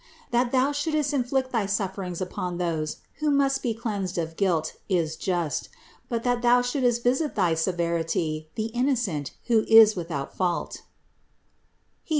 That thou shouldst inflict thy sufferings upon those, who must be cleansed of guilt, is just; but that thou shouldst visit with thy severity the Innocent, who is without fault (Heb.